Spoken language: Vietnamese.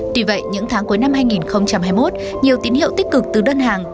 tuy vậy những tháng cuối năm hai nghìn hai mươi một nhiều tín hiệu tích cực từ đơn hàng